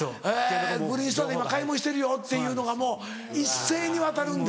グリーンストアで今買い物してるよ」っていうのがもう一斉に渡るんだ。